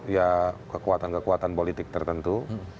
ya kekuatan kekuatan politik tertentu